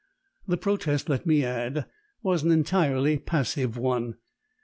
The protest, let me add, was an entirely passive one.